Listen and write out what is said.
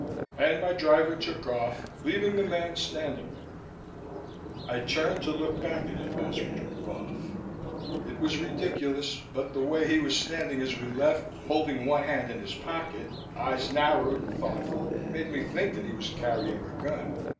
And my driver took off, leaving the man standing there. I turned to look back at him as we drove off. It was ridiculous, but the way he was standing as we left, holding one hand in his pocket, eyes narrowed and thoughtful, made me think that he was carrying a gun.